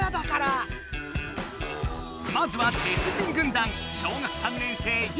まずは鉄人軍団！